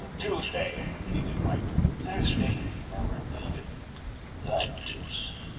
"Tuesday," pleaded Michael. "Thursday," murmured Edith. "The deuce!